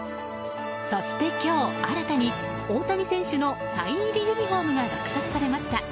そして今日、新たに大谷選手のサイン入りユニホームが落札されました。